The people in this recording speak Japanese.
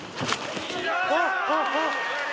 あっ！